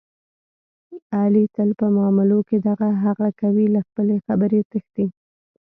علي تل په معاملو کې دغه هغه کوي، له خپلې خبرې تښتي.